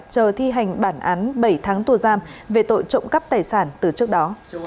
chờ thi hành bản án bảy tháng tù giam về tội trộm cắp tài sản từ trước đó